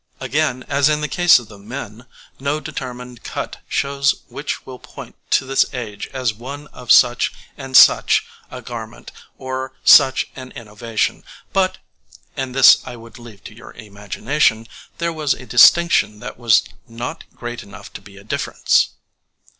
Again, as in the case of the men, no determined cut shows which will point to this age as one of such and such a garment or such an innovation, but and this I would leave to your imagination there was a distinction that was not great enough to be a difference.